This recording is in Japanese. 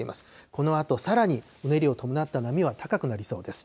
このあとさらに、うねりを伴った波は高くなりそうです。